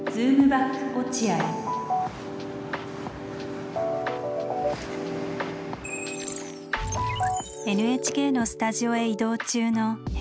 ＮＨＫのスタジオへ移動中の編集長。